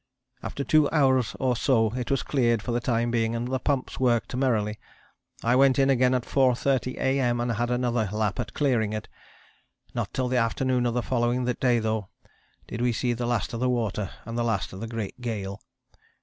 After 2 hours or so it was cleared for the time being and the pumps worked merrily. I went in again at 4.30 A.M. and had another lap at clearing it. Not till the afternoon of the following day, though, did we see the last of the water and the last of the great gale.